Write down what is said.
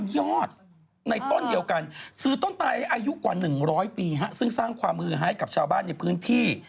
ยอดในต้นเดียวกันซื้อต้นตายอายุกว่า๑๐๐ปีซึ่งสร้างความมือให้กับชาวบ้านในพื้นที่